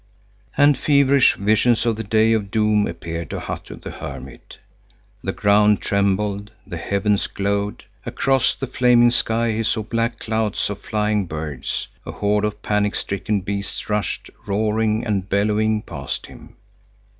And feverish visions of the Day of Doom appeared to Hatto the hermit. The ground trembled, the heavens glowed. Across the flaming sky he saw black clouds of flying birds, a horde of panic stricken beasts rushed, roaring and bellowing, past him.